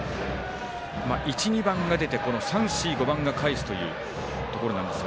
１、２番が出て３、４、５番が返すというところですが。